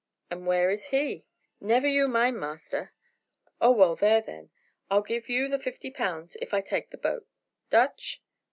"And where is he?" "Never you mind, master." "Oh, well, there then; I'll give you the fifty pounds if I take the boat. Dutch?"